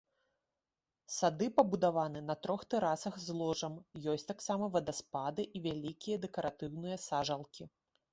Сады пабудаваны на трох тэрасах з ложам, ёсць таксама вадаспады і вялікія дэкаратыўныя сажалкі.